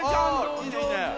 いいねいいね。